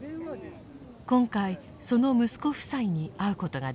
今回その息子夫妻に会うことができました。